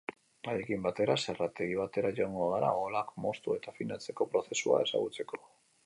Haiekin batera, zerrategi batera joango gara oholak moztu eta afinatzeko prozesua ezagutzeko.